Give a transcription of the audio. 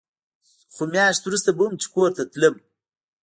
خو مياشت وروسته به هم چې کور ته تلم.